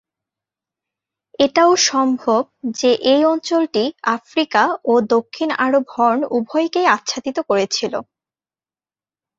এটাও সম্ভব যে এই অঞ্চলটি আফ্রিকা ও দক্ষিণ আরব হর্ন উভয়কেই আচ্ছাদিত করেছিল।